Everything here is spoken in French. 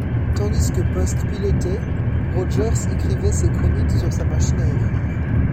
Tandis que Post pilotait, Rogers écrivait ses chroniques sur sa machine à écrire.